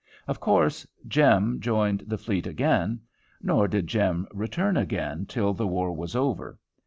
Of course Jem joined the fleet again. Nor did Jem return again till the war was over.